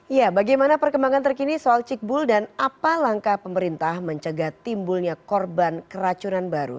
ya bagaimana perkembangan terkini soal cikbul dan apa langkah pemerintah mencegah timbulnya korban keracunan baru